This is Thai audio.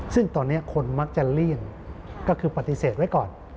ซึ่งตอนนี้คนมักจะเลี่ยงก็คือปฏิเสธไว้ก่อน